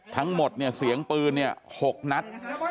ทั้งหมดเนี่ยเสียงปืนเนี่ย๖นัด